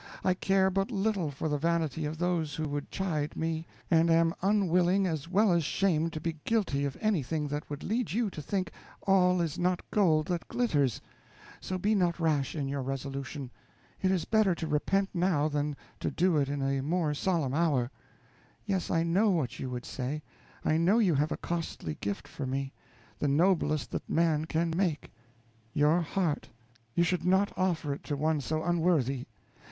I care but little for the vanity of those who would chide me, and am unwilling as well as shamed to be guilty of anything that would lead you to think 'all is not gold that glitters'; so be not rash in your resolution. It is better to repent now than to do it in a more solemn hour. Yes, I know what you would say. I know you have a costly gift for me the noblest that man can make your heart! you should not offer it to one so unworthy.